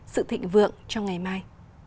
sự thịnh vượng trong ngày mai